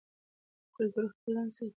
کلتور خپل رنګ ساتي.